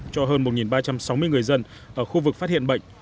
cho hơn một ba trăm sáu mươi người dân ở khu vực phát hiện bệnh